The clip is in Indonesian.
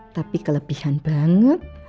tapi kelebihan banget